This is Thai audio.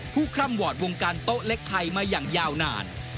คล่ำวอร์ดวงการโต๊ะเล็กไทยมาอย่างยาวนาน